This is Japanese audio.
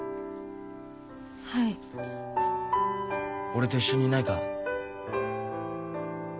俺と一緒にいないか。